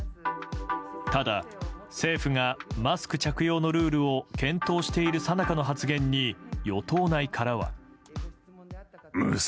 ただ、政府がマスク着用のルールを検討しているさなかの発言に与党内からは。